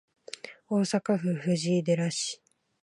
大阪府藤井寺市